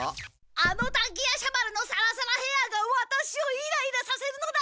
あの滝夜叉丸のサラサラヘアがワタシをイライラさせるのだ！